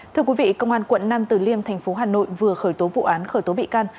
thưa quý vị công an quận nam từ liêm thành phố hà nội vừa khởi tố vụ án khởi tố bị can